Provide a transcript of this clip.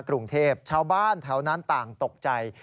กรุงเทพชาวบ้านแถวนั้นต่างตกใจ